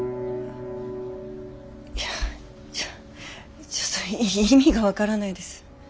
いやちょっと意味が分からないです。